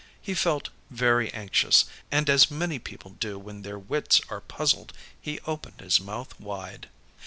He felt very anxious, and as many people do when their wits are puzzled, he opened his mouth wide.